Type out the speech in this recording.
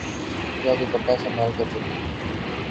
یا دوپٹہ سنبھال کر چلئے